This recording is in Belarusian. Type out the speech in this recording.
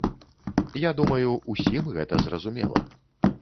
Я думаю, усім гэта зразумела.